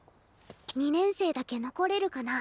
２年生だけ残れるかな。